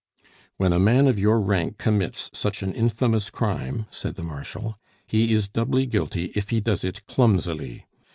"When a man of your rank commits such an infamous crime," said the Marshal, "he is doubly guilty if he does it clumsily.